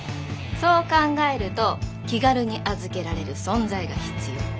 そう考えると気軽に預けられる存在が必要。